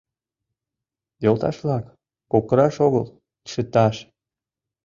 — Йолташ-влак, кокыраш огыл, чыташ!